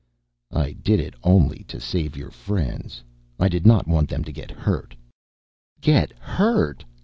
"I did it only to save your friends. I did not want them to get hurt." "Get hurt!"